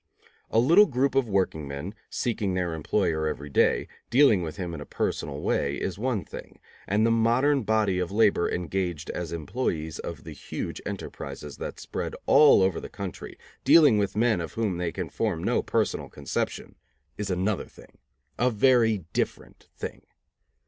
A little group of workingmen, seeing their employer every day, dealing with him in a personal way, is one thing, and the modern body of labor engaged as employees of the huge enterprises that spread all over the country, dealing with men of whom they can form no personal conception, is another thing. A very different thing.